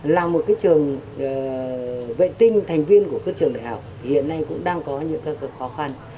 là một trường vệ tinh thành viên của các trường đại học hiện nay cũng đang có những khó khăn